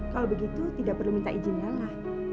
kalau begitu tidak perlu minta izin lelah